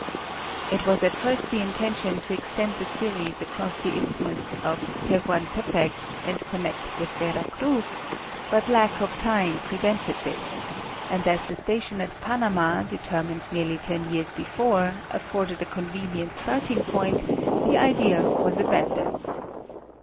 It was at first the inten tion to extend the series across the Isthmus of Tehuantepec and connect with Vera Cruz, but Jack of time prevented this, and as the station at Panama determined nearly ten years before, afforded a gonvenient starting point, the idea was abandoned.